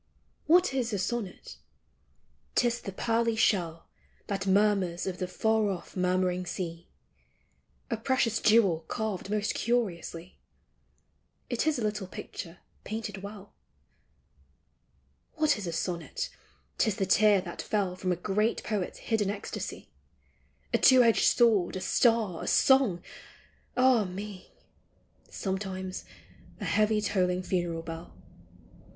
What is a sonnet ? 'T is the pearly shell That murmurs of the far off murmuring sea ; A precious jewel carved most curiously ; It is a little picture painted well. What is a sonnet ? 'T is the tear that fell From a great poet's hidden ecstasy ; A two edged sword, a star, a song, — ah me ! Sometimes a heavy tolling funeral bell.